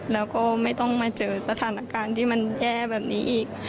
แล้วก็ไม่ต้องมาเจอสถานการณ์ที่มันแย่แบบนี้อีก